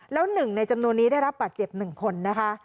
แล้ว๑ในจำนวนนี้ได้รับบาดเจ็บ๑คนนะคะ